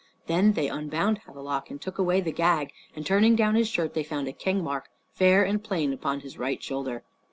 Then they unbound Havelok and took away the gag, and turning down his shirt they found a king mark fair and plain upon his right shoulder.